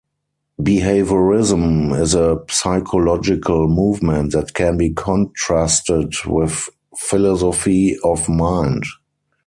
Behaviorism is a psychological movement that can be contrasted with philosophy of mind.